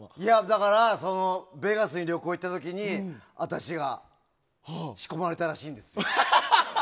だからベガスに旅行に行った時に私は、仕込まれたらしいんですよ。